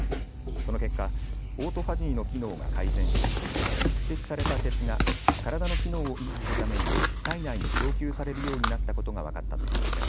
その結果、オートファジーの機能が改善し蓄積された鉄が体の機能を維持するために体内に供給されるようになったことが分かったということです。